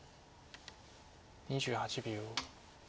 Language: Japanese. ２８秒。